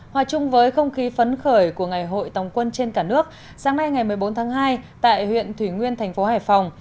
hòa chung với không khí phấn khởi của ngày hội tòng quân trên cả nước sáng nay ngày một mươi bốn tháng hai tại huyện thủy nguyên thành phố hải phòng